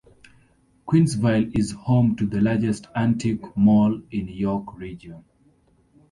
Queensville is home to the largest Antique Mall in York Region.